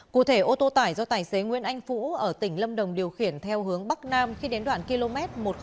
cụ thể ô tô tải do tài xế nguyễn anh phũ ở tỉnh lâm đồng điều khiển theo hướng bắc nam khi đến đoạn km một nghìn năm mươi tám chín trăm ba mươi